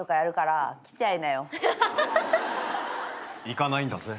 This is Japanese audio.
行かないんだぜ。